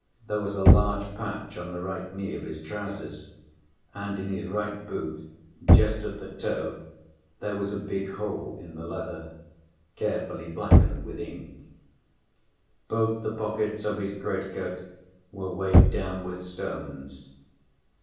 There was a large patch on the right knee of his trousers, and in his right boot just at the toe there was a big hole in the leather, carefully blackened with ink. Both the pockets of his great‐coat were weighed down with stones.